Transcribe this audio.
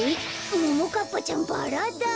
ももかっぱちゃんバラだ。